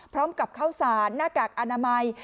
พร้อมกับข้าวสารหน้ากากอนามัย